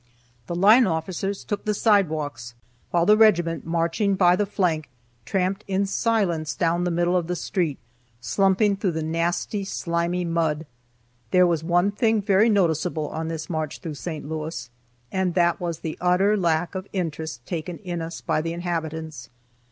The line officers took the sidewalks, while the regiment, marching by the flank, tramped in silence down the middle of the street, slumping through the nasty, slimy mud. There was one thing very noticeable on this march through St. Louis, and that was the utter lack of interest taken in us by the inhabitants.